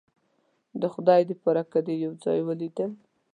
د خدای د پاره که دې یو ځای ولیدل